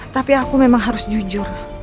tapi aku memang harus jujur